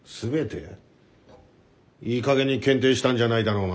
いいかげんに検定したんじゃないだろうな？